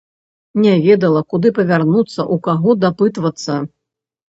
Не ведала, куды павярнуцца, у каго дапытвацца.